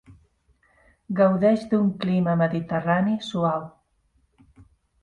Gaudeix d'un clima mediterrani suau.